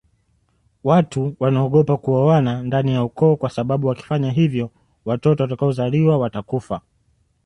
Watu wnaogopa kuoana ndani ya ukoo kwasababu wakifanya hivyo watoto watakaozaliwa watakufa